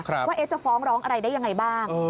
ว่าเอ๊ะจะฟ้องร้องอะไรได้อย่างไรบ้าง